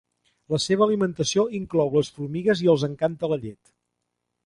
La seva alimentació inclou les formigues i els encanta la llet.